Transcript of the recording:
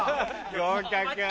合格。